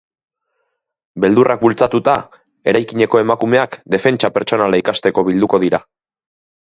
Beldurrak bultzatuta, eraikineko emakumeak defentsa pertsonala ikasteko bilduko dira.